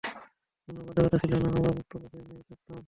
কোনও বাধ্যবধকতা ছিল না, আমরা মুক্ত পাখির ন্যায় থাকতাম!